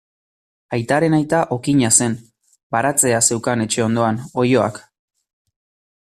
Aitaren aita okina zen, baratzea zeukan etxe ondoan, oiloak.